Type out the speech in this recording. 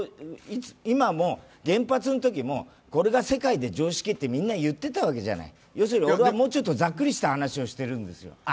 今も原発のときは、これが世界で常識ってみんな言ってたわけじゃない、俺はもうちょっとざっくりした話をしてるんですよ。